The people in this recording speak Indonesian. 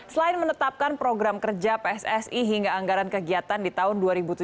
selain menetapkan program kerja pssi hingga anggaran kegiatan di tahun dua ribu tujuh belas